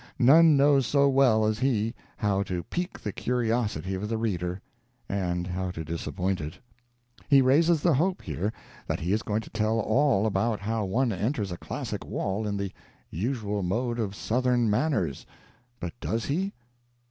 None knows so well as he how to pique the curiosity of the reader and how to disappoint it. He raises the hope, here, that he is going to tell all about how one enters a classic wall in the usual mode of Southern manners; but does he?